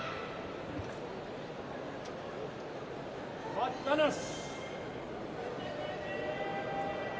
待ったなし。